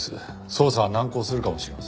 捜査は難航するかもしれません。